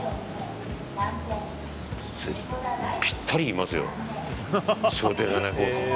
ぴったりいますよ。